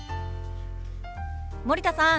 森田さん